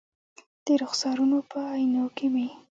د رخسارونو په آئینو کې مې